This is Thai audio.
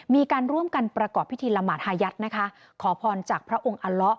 มีการร่วมกันประกอบพิธีละหมาดฮายัดนะคะขอพรจากพระองค์อัลละ